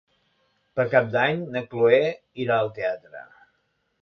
Per Cap d'Any na Chloé irà al teatre.